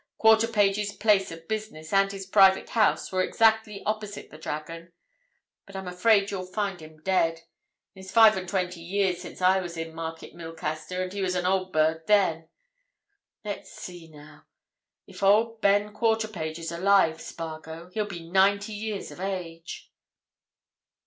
Quarterpage's place of business and his private house were exactly opposite the 'Dragon.' But I'm afraid you'll find him dead—it's five and twenty years since I was in Market Milcaster, and he was an old bird then. Let's see, now. If Old Ben Quarterpage is alive, Spargo, he'll be ninety years of age!"